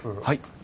はい。